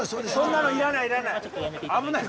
そんなのいらないいらない！